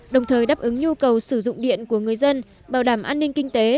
đồng thời đáp ứng nhu cầu sử dụng điện của người dân bảo đảm an ninh kinh tế